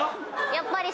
やっぱり。